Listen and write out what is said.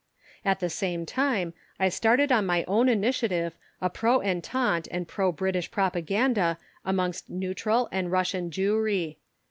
At the same time I started on my own initiative a pro Entente and pro British propaganda amongst neutral and Russian Jewry.